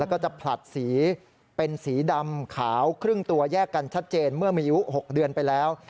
แล้วก็จะผลัดสีเป็นสีดำขาวครึ่งตัวแยกกันชัดเจนเมื่อมีอายุ๖เดือนไปแล้ว